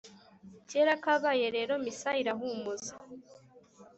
kera kabaye rero misa irahumuza,